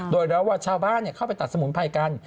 โดยแล้วว่าชาวบ้านเข้าไปตัดสมุนไพรกัน